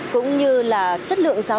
cũng như là chất lượng giá